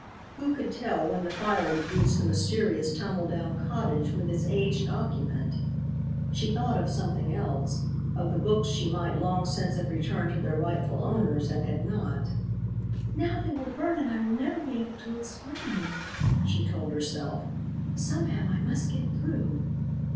Who could tell when the fire would reach the mysterious tumble down cottage with its aged occupant? She thought of something else, of the books she might long since have returned to their rightful owners and had not. "Now they will burn and I will never be able to explain," she told herself. "Somehow I must get through!"